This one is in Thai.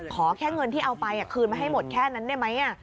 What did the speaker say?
ขอแค่เงินที่เอาไปคืนมาให้หมดแค่นั้นได้ไหม